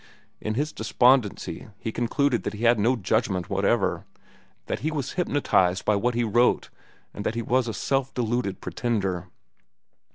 In his despondency, he concluded that he had no judgment whatever, that he was hypnotized by what he wrote, and that he was a self deluded pretender.